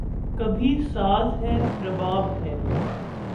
کبھی ساز ہے، رباب ہے